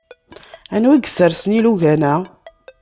Anwa isersen ilugan-a?